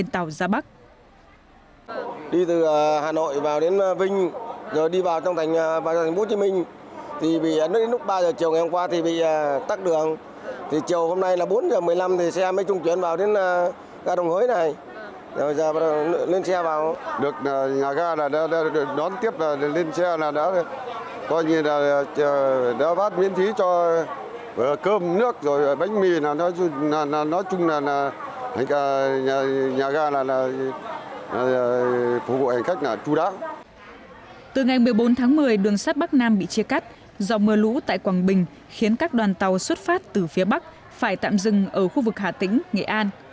từ ngày một mươi bốn tháng một mươi đường sắt bắc nam bị chia cắt do mưa lũ tại quảng bình khiến các đoàn tàu xuất phát từ phía bắc phải tạm dừng ở khu vực hà tĩnh nghệ an